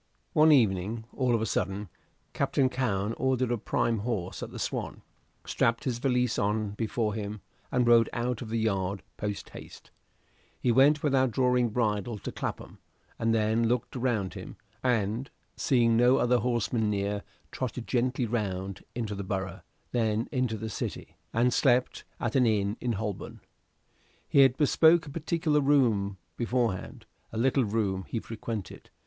One evening, all of a sudden, Captain Cowen ordered a prime horse at the "Swan," strapped his valise on before him, and rode out of the yard post haste: he went without drawing bridle to Clapham, and then looked round him, and, seeing no other horseman near, trotted gently round into the Borough, then into the City, and slept at an inn in Holborn. He had bespoken a particular room beforehand. a little room he frequented.